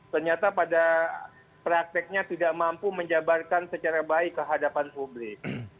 ternyata pada prakteknya tidak mampu menjabarkan secara baik ke hadapan publik